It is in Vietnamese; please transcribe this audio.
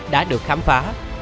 đã được khám phá